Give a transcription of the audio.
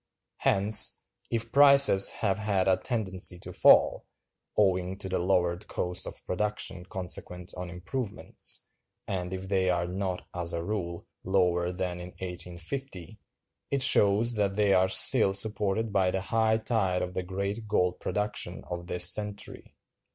Hence, if prices have had a tendency to fall, owing to the lowered cost of production consequent on improvements—and if they are not, as a rule, lower than in 1850—it shows that they are still supported by the high tide of the great gold production of this century.